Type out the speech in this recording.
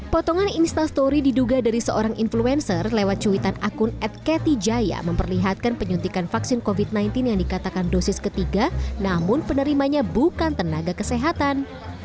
potongan instastory diduga dari seorang influencer lewat cuitan akun ad ketijaya memperlihatkan penyuntikan vaksin covid sembilan belas yang dikatakan dosis ketiga namun penerimanya bukan tenaga kesehatan